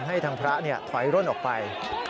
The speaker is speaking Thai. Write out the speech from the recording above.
ให้ทางพระเนี่ยถวายร่วนออกไป